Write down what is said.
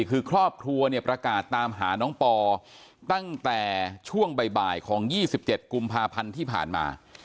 คือครอบครัวเนี่ยประกาศตามหาน้องปอตั้งแต่ช่วงบ่ายของ๒๗กุมภาพันธ์ที่ผ่านมา